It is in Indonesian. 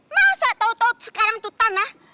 masa tau tau sekarang itu tanah